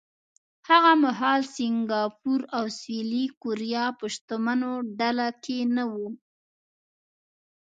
هغه مهال سینګاپور او سویلي کوریا په شتمنو ډله کې نه وو.